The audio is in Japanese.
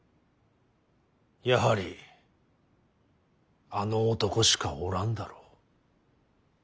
やはりあの男しかおらんだろう。